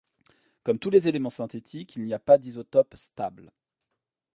Comme tous les éléments synthétiques, il n'a pas d'isotopes stables.